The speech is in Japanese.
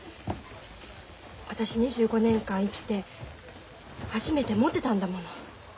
私２５年間生きて初めてもてたんだもの。